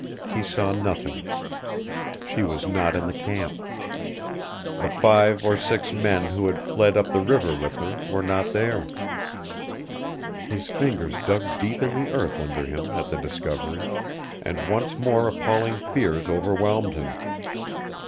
He saw nothing. She was not in the camp. The five or six men who had fled up the river with her were not there. His fingers dug deep in the earth under him at the discovery, and once more appalling fears overwhelmed him.